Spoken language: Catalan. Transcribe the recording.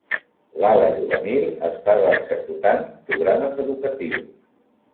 L'ala juvenil estava executant programes educatius.